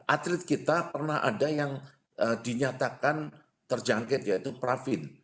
atlet kita pernah ada yang dinyatakan terjangkit yaitu pravin